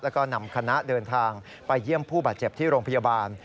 แล้วก็นำคณะเดินทางไปเยี่ยมผู้บาดเจ็บที่โรงพยาบาล